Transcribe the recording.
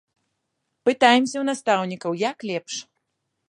Пытаемся ў настаўнікаў, як лепш.